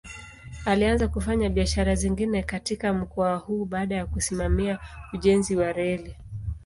Alianza kufanya biashara zingine katika mkoa huo baada ya kusimamia ujenzi wa reli.